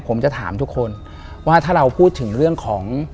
ผมจะถามทุกคนว่าถ้าเราพูดถึงเรื่องของ